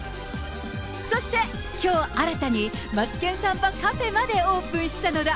そして、きょう新たにマツケンサンバカフェまでオープンしたのだ。